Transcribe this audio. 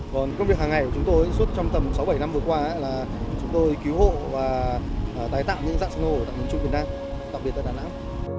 còn công việc hàng ngày của chúng tôi trong tầm sáu bảy năm vừa qua là chúng tôi cứu hộ và tài tạo những dạng sinh hồ của tạng nền trung việt nam tạm biệt tại đà nẵng